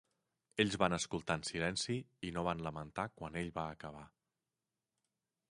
Ells van escoltar en silenci, i no van lamentar quan ell va acabar.